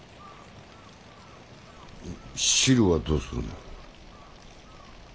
汁はどうするね？